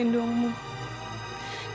kita jalan jalan ya